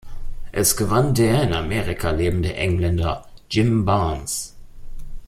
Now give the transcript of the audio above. Es gewann der in Amerika lebende Engländer Jim Barnes.